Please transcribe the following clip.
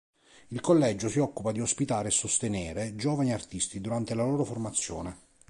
Il Collegio si occupa di ospitare e sostenere giovani artisti durante la loro formazione.